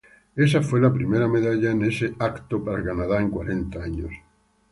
Esa fue la primera medalla en ese evento para Canadá en cuarenta años.